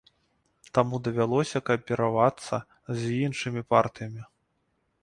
Таму давялося кааперавацца з іншымі партыямі.